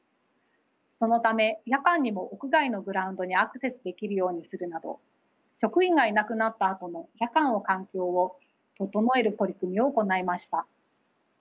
そのため夜間にも屋外のグラウンドにアクセスできるようにするなど職員がいなくなったあとの夜間の環境を整える取り組みを行いました。